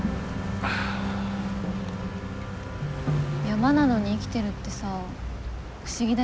山なのに生きてるってさ不思議だよね。